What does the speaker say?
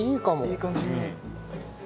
いい感じに。